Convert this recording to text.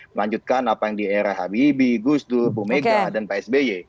melanjutkan apa yang di era habibie gusdur bomega dan pak sby